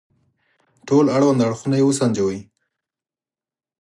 ټول اړوند اړخونه يې وسنجوي.